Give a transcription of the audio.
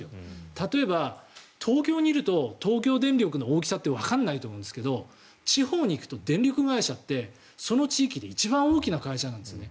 例えば、東京にいると東京電力の大きさってわからないと思うんですけど地方に行くと電力会社ってその地域で一番大きな会社なんですね。